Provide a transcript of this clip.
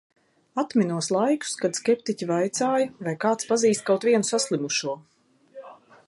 Atminos laikus, kad skeptiķi vaicāja, vai kāds pazīst kaut vienu saslimušo.